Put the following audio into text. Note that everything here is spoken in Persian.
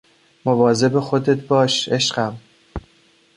مواظب خودت باش عشقم